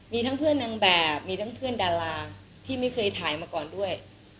มีทั้งเพื่อนนางแบบมีทั้งเพื่อนดาราที่ไม่เคยถ่ายมาก่อนด้วย